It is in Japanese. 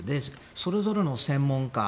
それぞれの専門家